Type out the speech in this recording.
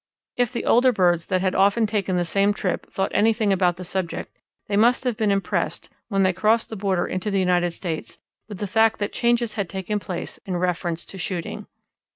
If the older birds that had often taken the same trip thought anything about the subject, they must have been impressed, when they crossed the border into the United States, with the fact that changes had taken place in reference to shooting.